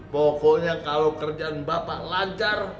pokoknya kalau kerjaan bapak lancar